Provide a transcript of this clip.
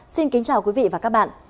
xin kính chào quý vị và các bạn